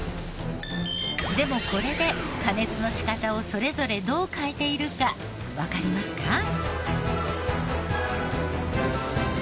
でもこれで加熱の仕方をそれぞれどう変えているかわかりますか？